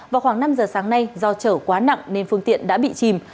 vào khoảng năm giờ sáng nay do chở quá nặng nên phương tiện đã bị chìm